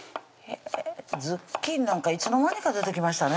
ズッキーニなんかいつのまにか出てきましたね